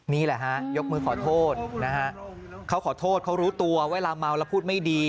นี่แหละฮะยกมือขอโทษนะฮะเขาขอโทษเขารู้ตัวเวลาเมาแล้วพูดไม่ดี